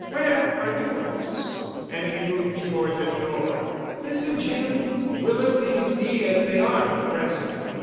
"Where are yours?" And he moved toward the door. "Listen, Jim. We'll let things be as they are for the present.